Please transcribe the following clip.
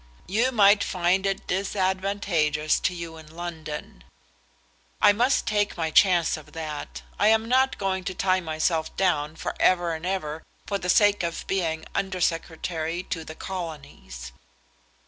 "You might find it disadvantageous to you in London." "I must take my chance of that. I am not going to tie myself down for ever and ever for the sake of being Under Secretary to the Colonies."